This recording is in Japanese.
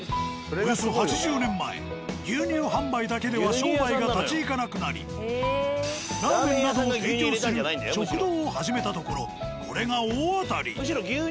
およそ８０年前牛乳販売だけでは商売が立ち行かなくなりラーメンなどを提供する食堂を始めたところこれが大当たり。